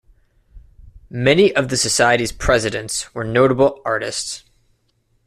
Many of the Society's presidents were notable artists.